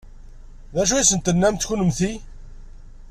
D acu i asen-tennamt kunemti?